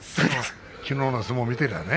きのうの相撲を見ていればね。